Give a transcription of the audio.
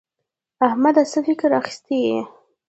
احمده څه فکر اخيستی يې؟